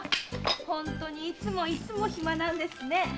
本当にいつもいつも暇なんですね！